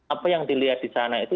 apa yang dilihat disana itu